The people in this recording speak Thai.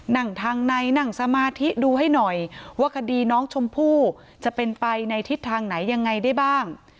นั่งทางในนั่งสมาธิดูให้หน่อยว่าคดีน้องชมพู่จะเป็นไปในทิศทางไหนยังไงได้บ้าง